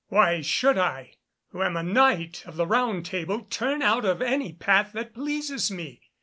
"Why should I, who am a Knight of the Round Table, turn out of any path that pleases me?"